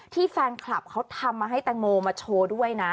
แฟนคลับเขาทำมาให้แตงโมมาโชว์ด้วยนะ